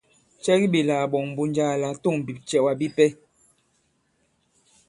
Cɛ ki ɓèlà kàɓɔ̀ŋ Mbunja la à tôŋ bìcɛ̀wa bipɛ?